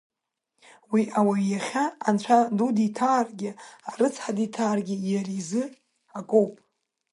Уи ауаҩиахьа анцәа ду диҭааргьы, арыцҳа диҭааргьы, иара изы акоуп.